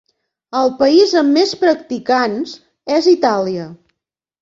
El país amb més practicants és Itàlia.